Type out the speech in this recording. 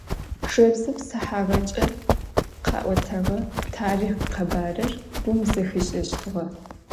Жэбзэ псыхьагъэкӏэ къэӏотэгъэ тарихъ къэбарыр гум зэхишӏэщтыгъэ.